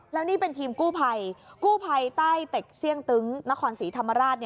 แล้วนี่เป็นทีมกู้ภัยกู้ภัยใต้เต็กเซี่ยงตึ้งนครศรีธรรมราช